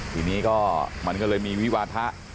ทีนี้ก็มันก็เลยมีวิวาทะ